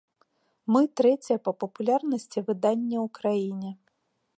Мы трэцяе па папулярнасці выданне ў краіне.